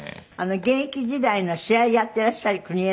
現役時代の試合やってらっしゃる国枝さん